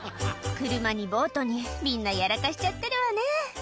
「車にボートにみんなやらかしちゃってるわね」